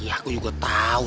sampai jumpa lagi